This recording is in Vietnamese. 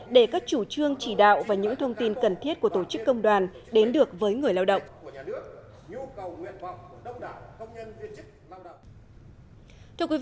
để các chủ trương chỉ đạo và những thông tin cần thiết của tổ chức công đoàn đến được với người lao động